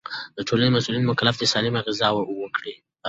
د ټولنې مسؤلين مکلف دي سالمه غذا ورکړي.